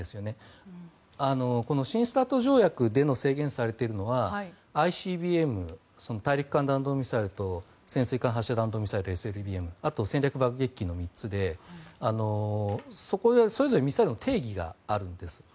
新ＳＴＡＲＴ条約で制限されているのはＩＣＢＭ・大陸間弾道ミサイルと潜水艦発射弾道ミサイル・ＳＬＢＭ戦略爆撃機の３つでそれぞれミサイルの定義があるんです。